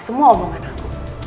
semua omongan aku